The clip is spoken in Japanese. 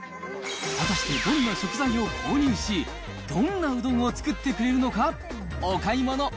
果たしてどんな食材を購入し、どんなうどんを作ってくれるのか。